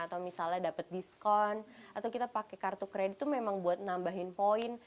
atau misalnya dapat diskon atau kita pakai kartu kredit itu memang buat nambahin poin